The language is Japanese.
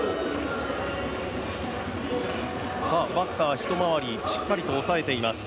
バッター、一回りしっかりと押さえています。